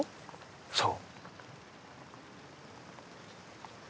そう。